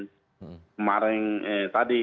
kemarin eh tadi